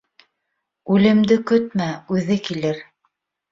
Үлемде көтмә, үҙе килер.